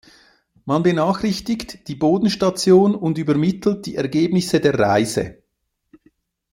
Man benachrichtigt die Bodenstation und übermittelt die Ergebnisse der Reise.